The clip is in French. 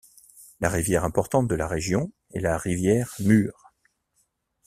La rivière importante de la région est la rivière Mur.